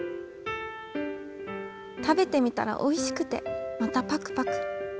「食べてみたらおいしくてまたパクパク！